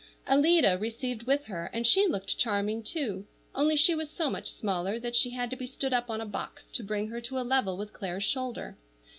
Alida received with her, and she looked charming, too, only she was so much smaller that she had to be stood up on a box to bring her to a level with Clare's shoulder.